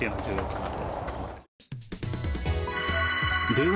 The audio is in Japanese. では